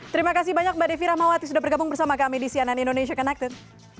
terima kasih banyak mbak devi ramawati sudah bergabung bersama kami di cnn indonesia connected